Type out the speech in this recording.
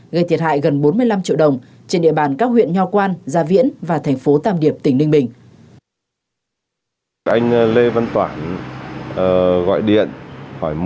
gây thiệt hại gần bốn mươi năm triệu đồng trên địa bàn các huyện nho quan gia viễn và thành phố tàm điệp tỉnh ninh bình